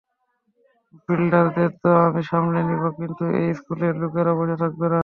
বিল্ডারদের তো আমি সামলে নিবো, কিন্তু এই স্কুলের লোকেরা বসে থাকবে না।